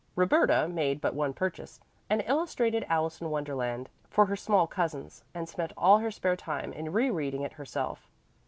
Roberta made but one purchase, an illustrated "Alice in Wonderland," for her small cousins, and spent all her spare time in re reading it herself.